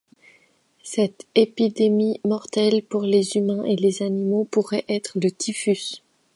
Cette épidémie mortelle pour les humains et les animaux pourrait être le typhus.